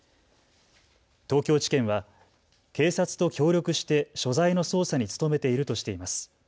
東京地検は警察と協力して所在の捜査に努めているとしています。